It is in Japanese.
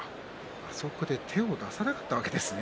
あそこで手を出さなかったわけですね。